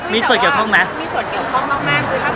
มีส่วนเกี่ยวยข้องไหม